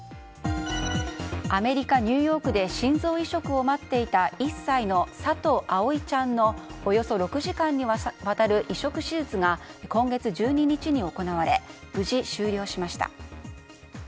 アメリカ・ニューヨークで心臓移植を待っていた１歳の佐藤葵ちゃんのおよそ６時間にわたる移植手術が今月１２日に行われ無事終了しました。